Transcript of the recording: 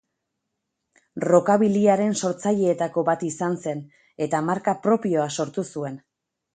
Rockabillyaren sortzaileetako bat izan zen, eta marka propioa sortu zuen.